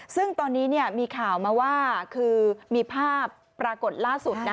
ซึ่งตอนนี้มีข่าวมาว่าคือมีภาพปรากฏล่าสุดนะ